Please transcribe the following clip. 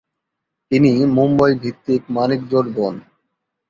তিনি মুম্বই-ভিত্তিক মানিকজোড় বোন।